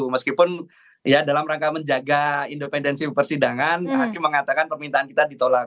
meskipun ya dalam rangka menjaga independensi persidangan hakim mengatakan permintaan kita ditolak